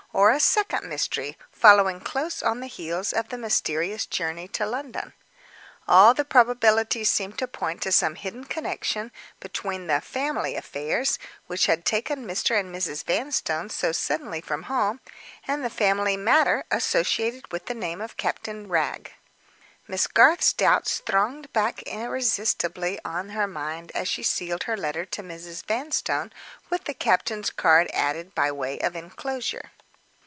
Or a second mystery, following close on the heels of the mysterious journey to London? All the probabilities seemed to point to some hidden connection between the "family affairs" which had taken Mr. and Mrs. Vanstone so suddenly from home and the "family matter" associated with the name of Captain Wragge. Miss Garth's doubts thronged back irresistibly on her mind as she sealed her letter to Mrs. Vanstone, with the captain's card added by way of inclosure.